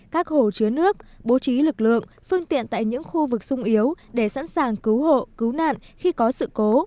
các hồ chứa nước bố trí lực lượng phương tiện tại những khu vực sung yếu để sẵn sàng cứu hộ cứu nạn khi có sự cố